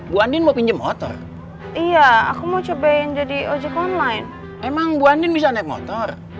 bu andin mau pinjam motor iya aku mau cobain jadi ojek online emang bu andin bisa naik motor